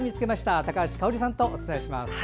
高橋香央里さんとお伝えします。